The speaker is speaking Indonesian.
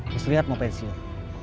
muslihat mau pensiun